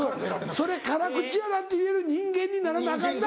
それ「辛口やな」って言える人間にならなアカンな。